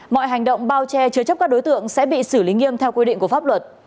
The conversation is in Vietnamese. mọi hành động bao che chứa chấp các đối tượng sẽ bị xử lý nghiêm theo quy định của pháp luật